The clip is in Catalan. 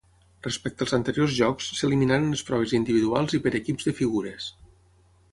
Respecte als anteriors Jocs s'eliminaren les proves individuals i per equips de figures.